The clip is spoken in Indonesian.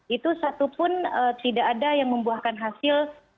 itu satu pun tidak ada yang membuahkan hasil menuju perdamaian